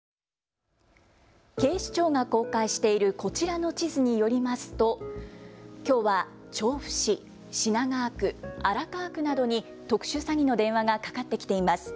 警視庁が公開しているこちらの地図によりますときょうは調布市、品川区、荒川区などに特殊詐欺の電話がかかってきています。